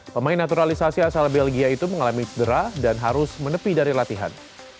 pemain naturalisasi asal belgia itu mengalami cedera dan harus menepi dari latihan